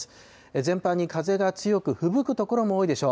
全般に風が強く、ふぶく所も多いでしょう。